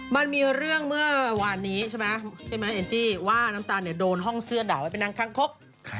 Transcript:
มันมีเรื่องเมื่อวานนี้ใช่ไหมแองจี้ว่าน้ำตาลโดนห้องเสื้อด่าให้ไปนั่งข้างคก